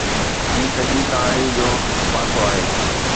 هي سڄي ڪهاڻي جو هڪ پاسو آهي.